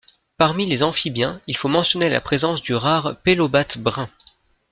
Parmi les amphibiens il faut mentionner la présence du rare pélobate brun.